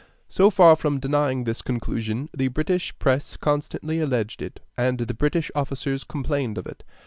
So far from denying this conclusion, the British press constantly alleged it, and the British officers complained of it.